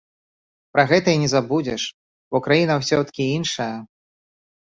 Пра гэта і не забудзеш, бо краіна ўсё-ткі іншая.